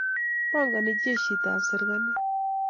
Pongoni jeshit ap sirikalit.